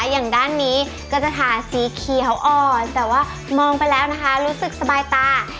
อย่างด้านนี้ก็จะทาสีเขียวอ่อนแต่ว่ามองไปแล้วนะคะรู้สึกสบายตา